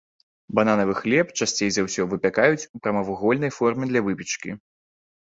Бананавы хлеб часцей за ўсё выпякаюць у прамавугольнай форме для выпечкі.